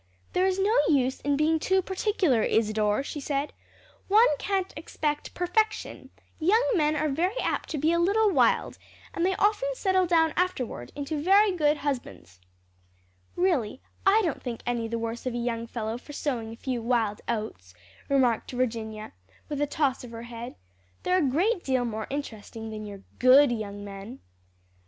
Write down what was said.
"There is no use in being too particular, Isadore," she said, "one can't expect perfection; young men are very apt to be a little wild, and they often settle down afterward into very good husbands." "Really, I don't think any the worse of a young fellow for sowing a few wild oats," remarked Virginia, with a toss of her head: "they're a great deal more interesting than your good young men."